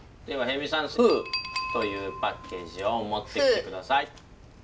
では辺見さん「ふー」というパッケージを持ってきて下さい。